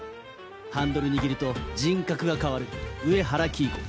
ハンドル握ると人格が変わる上原黄以子。